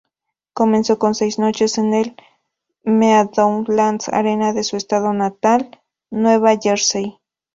Comenzó con seis noches en el Meadowlands Arena de su Estado natal, Nueva Jersey.